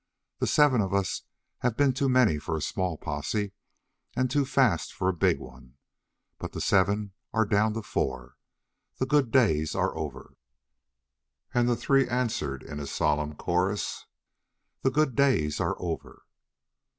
The seven of us have been too many for a small posse and too fast for a big one, but the seven are down to four. The good days are over." And the three answered in a solemn chorus: "The good days are over."